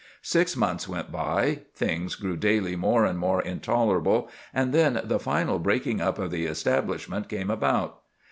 Six months went by; things grew daily more and more intolerable; and then the final breaking up of the establishment came about.